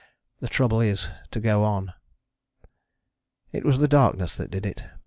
The trouble is to go on.... It was the darkness that did it.